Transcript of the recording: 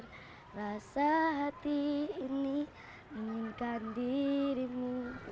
rasa hati ini inginkan dirimu